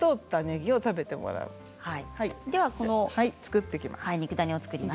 これを作っていきます。